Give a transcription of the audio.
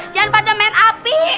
jangan pada main api